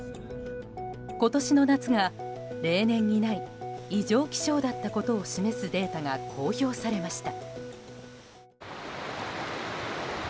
今年の夏が、例年にない異常気象だったことを示すデータが公表されました。